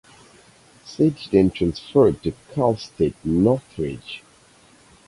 Sage then transferred to Cal State Northridge.